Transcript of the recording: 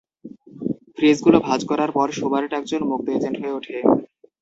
ফ্রিজগুলো ভাঁজ করার পর, শুবার্ট একজন মুক্ত এজেন্ট হয়ে ওঠে।